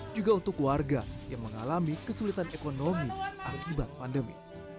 juga untuk warga yang mengalami kesulitan ekonomi akibat pandemi